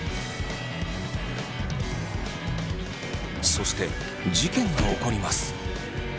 そして事件が起こります。